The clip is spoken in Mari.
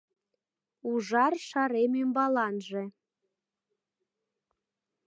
Ужар шарем ӱмбаланже